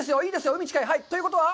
海近い。ということは？